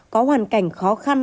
có hoàn cảnh khó khăn